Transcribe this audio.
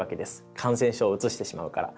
感染症をうつしてしまうから。